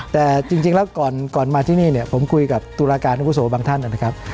แต่จริงแล้วก่อนมาที่นี่เนี่ยผมคุยกับตุลาการอาวุโสบางท่านนะครับ